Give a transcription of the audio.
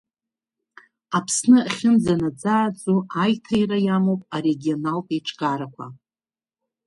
Аԥсны ахьынӡа-наӡааӡо Аиҭаира иамоуп арегионалтә еиҿкаарақәа.